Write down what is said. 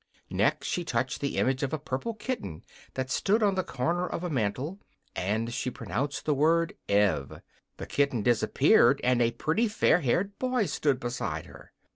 Next she touched the image of a purple kitten that stood on the corner of a mantel, and as she pronounced the word "Ev" the kitten disappeared, and a pretty, fair haired boy stood beside her.